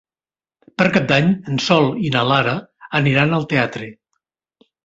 Per Cap d'Any en Sol i na Lara aniran al teatre.